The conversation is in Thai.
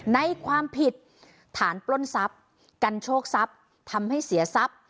ในความผิดฐานปล้นทรัพย์กันโชคทรัพย์ทำให้เสียทรัพย์